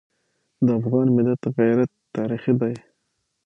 د افغان ملت غیرت تاریخي دی.